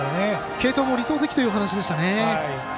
継投も理想的というお話でしたね。